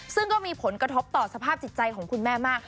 ซึ่งก็มีผลกระทบต่อสภาพจิตใจของคุณแม่มาก